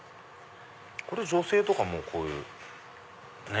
これ女性とかもこういうね。